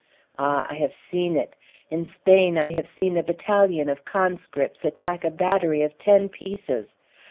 Ah, I have seen it! In Spain I have seen a battalion of conscripts attack a battery of ten pieces.